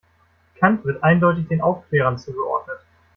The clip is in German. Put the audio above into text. Kant wird eindeutig den Aufklärern zugeordnet.